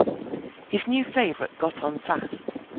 The new favourite got on fast.